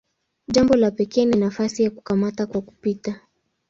Jambo la pekee ni nafasi ya "kukamata kwa kupita".